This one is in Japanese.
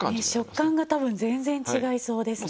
食感が多分全然違いそうですね。